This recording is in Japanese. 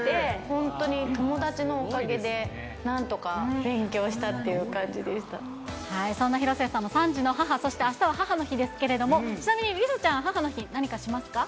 本当に友達のおかげで、なんとかそんな広末さんも３児の母、そしてあしたは母の日ですけれども、ちなみに梨紗ちゃん、母の日、何かしますか？